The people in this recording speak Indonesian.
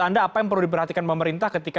anda apa yang perlu diperhatikan pemerintah ketika